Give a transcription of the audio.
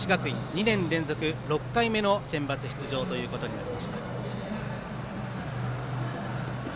２年連続６回目のセンバツ出場ということになりました。